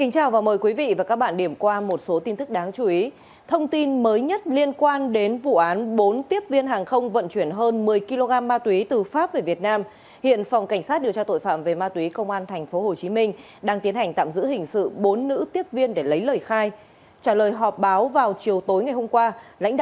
các bạn hãy đăng ký kênh để ủng hộ kênh của chúng mình nhé